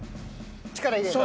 力入れるの？